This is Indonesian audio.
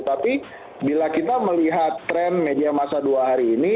tapi bila kita melihat tren media masa dua hari ini